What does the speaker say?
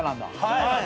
はい。